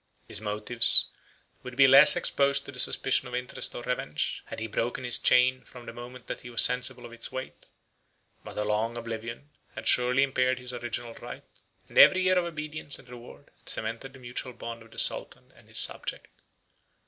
His motives would be less exposed to the suspicion of interest or revenge, had he broken his chain from the moment that he was sensible of its weight: but a long oblivion had surely impaired his original right; and every year of obedience and reward had cemented the mutual bond of the sultan and his subject.